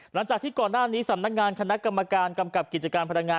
หลังจากที่ก่อนหน้านี้สำนักงานคณะกรรมการกำกับกิจการพลังงาน